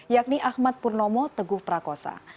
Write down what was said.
yakni ahmad purnomo teguh prakosa